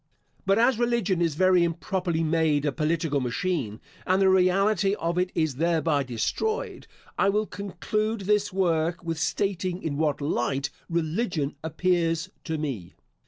But as religion is very improperly made a political machine, and the reality of it is thereby destroyed, I will conclude this work with stating in what light religion appears to me.